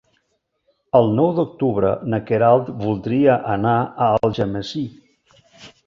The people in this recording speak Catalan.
El nou d'octubre na Queralt voldria anar a Algemesí.